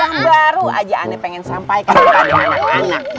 yang baru aja ane pengen sampaikan pada anak anak